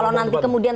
kalau nanti kemudian